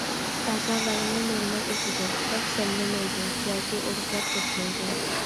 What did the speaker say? ئەزالارمۇ نورمال ئۆسىدۇ، بەك سەمرىمەيدۇ ياكى ئورۇقلاپ كەتمەيدۇ.